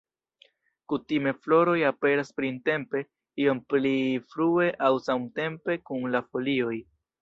Kutime floroj aperas printempe, iom pli frue aŭ samtempe kun la folioj.